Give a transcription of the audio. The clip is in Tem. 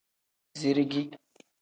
Zirigi.